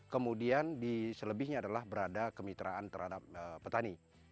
kemudian di selebihnya adalah berada kemitraan terhadap petani